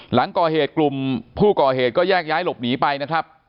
หลังก่อเหตุกลุ่มผู้ก่อเหตุก็แยกย้ายหลบหนีไปนะครับ